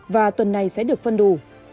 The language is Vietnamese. và tuần này sẽ được phân đủ